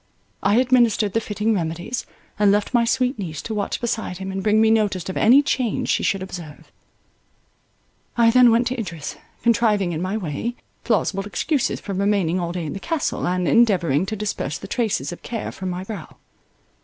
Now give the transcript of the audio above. I administered the fitting remedies, and left my sweet niece to watch beside him, and bring me notice of any change she should observe. I then went to Idris, contriving in my way, plausible excuses for remaining all day in the Castle, and endeavouring to disperse the traces of care from my brow.